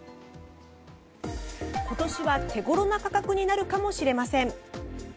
今年は手ごろな価格になるかもしれません。